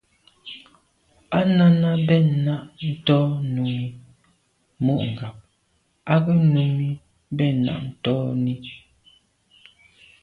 Â Náná bɛ̂n náɁ tɔ́ Númí mû ŋgáp á gə́ Númí bɛ̂n náɁ tɔ́n–í.